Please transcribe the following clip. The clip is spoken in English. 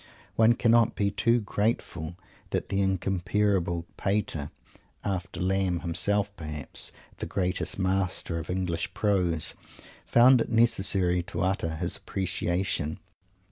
One cannot be too grateful that the incomparable Pater, after Lamb himself, perhaps, the greatest master of English prose, found it necessary to utter his appreciation.